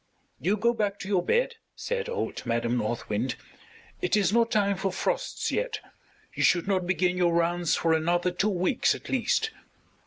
"You go back to your bed," said old Madam North Wind. "It is not time for frosts yet. You should not begin your rounds for another two weeks at least."